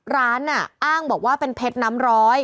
ล้านน่ะอ้างเป็นเพชรน้ำร้อย